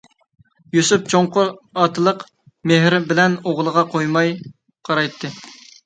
يۈسۈپ چوڭقۇر ئاتىلىق مېھرى بىلەن ئوغلىغا تويماي قارايتتى.